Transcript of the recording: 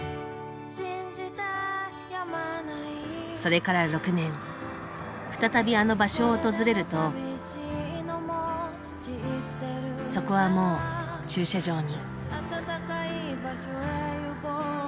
それから６年再びあの場所を訪れるとそこはもう駐車場に。